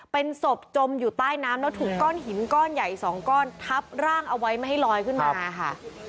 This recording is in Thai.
เป็นศพจมอยู่ใต้น้ำแล้วถูกก้อนหินก้อนใหญ่สองก้อนทับร่างเอาไว้ไม่ให้ลอยขึ้นมาค่ะ